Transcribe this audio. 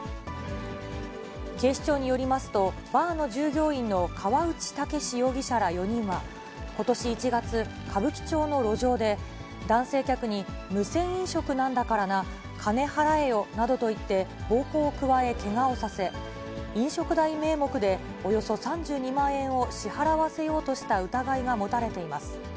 警視庁によりますと、バーの従業員の河内剛容疑者ら４人は、ことし１月、歌舞伎町の路上で、男性客に、無銭飲食なんだからな、金払えよなどと言って、暴行を加え、けがをさせ、飲食代名目でおよそ３２万円を支払わせようとした疑いが持たれています。